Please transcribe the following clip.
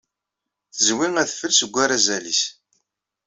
Tezwi adfel seg urazal-is.